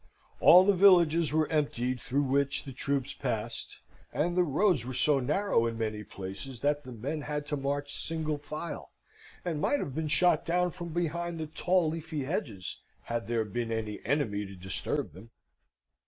All the villages were emptied through which the troops passed, and the roads were so narrow in many places that the men had to march single file, and might have been shot down from behind the tall leafy hedges had there been any enemy to disturb them.